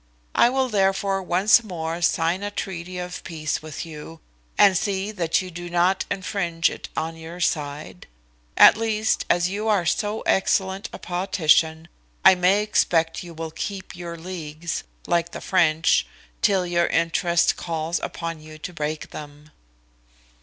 I will therefore once more sign a treaty of peace with you, and see that you do not infringe it on your side; at least, as you are so excellent a politician, I may expect you will keep your leagues, like the French, till your interest calls upon you to break them."